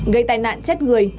gây tai nạn chết người